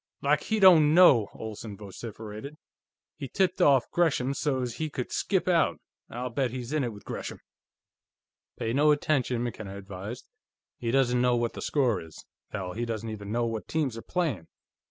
"Like he don't know!" Olsen vociferated. "He tipped off Gresham so's he could skip out; I'll bet he's in it with Gresham!" "Pay no attention," McKenna advised. "He doesn't know what the score is; hell, he doesn't even know what teams are playing."